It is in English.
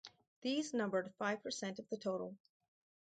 These numbered five percent of the total.